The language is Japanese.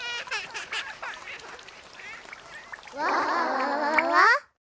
わわわわわ！